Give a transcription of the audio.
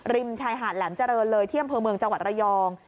ริมชายหาดแหลมเจริญเลยเที่ยมเพลิงเมืองจังหวัดรยอง